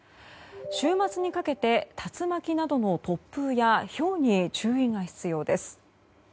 週末にかけて竜巻などの突風やひょうに注意が必要です。